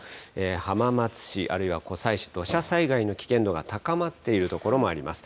浜松市、あるいは湖西市、土砂災害の危険度が高まっている所もあります。